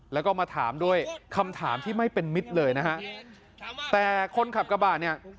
แล้วก็มาถามด้วยคำถามที่ไม่เป็นมิตรเลยนะฮะแต่คนขับกระบะเนี่ย